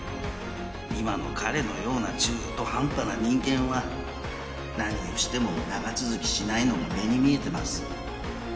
今の彼のような中途半端な人間は何をしても長続きしないのが目に見えてます。